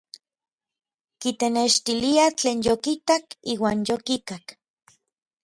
Kitenextilia tlen yokitak iuan yokikak.